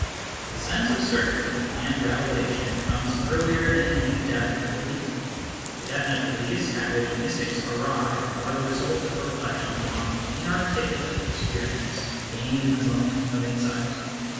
The sense of certainty and revelation comes earlier than any definite belief. The definite beliefs at which mystics arrive are the result of reflection upon the inarticulate experience gained in the moment of insight.